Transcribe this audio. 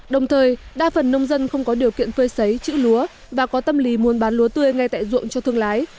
đồng thời đa phần nông dân không có điều kiện thuê sấy trữ lúa và có tâm lý muốn bán lúa tươi ngay tại ruộng cho thương lái